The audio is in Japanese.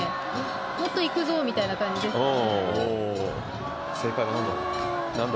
もっといくぞみたいな感じですかね。